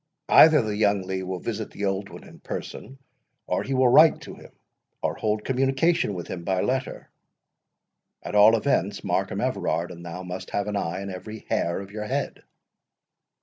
Either the young Lee will visit the old one in person, or he will write to him, or hold communication with him by letter. At all events, Markham Everard and thou must have an eye in every hair of your head."